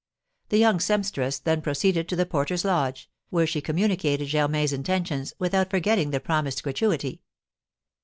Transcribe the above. The young sempstress then proceeded to the porter's lodge, where she communicated Germain's intentions, without forgetting the promised gratuity.